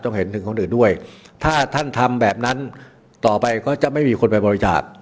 เห็นถึงคนอื่นด้วยถ้าท่านทำแบบนั้นต่อไปก็จะไม่มีคนไปบริจาค